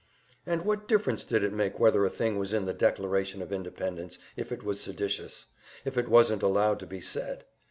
And what difference did it make whether a thing was in the Declaration of Independence, if it was seditious, if it wasn't allowed to be said?